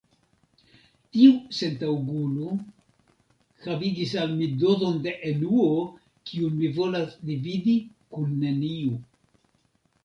Tiu sentaŭgulo havigis al mi dozon da enuo, kiun mi volas dividi kun neniu.